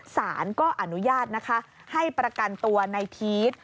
สารก็อนุญาตนะคะให้ประกันตัวในพีช